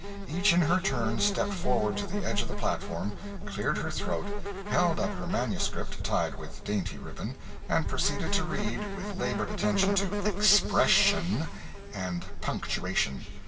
Each in her turn stepped forward to the edge of the platform, cleared her throat, held up her manuscript (tied with dainty ribbon), and proceeded to read, with labored attention to "expression" and punctuation.